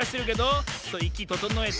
いきととのえて。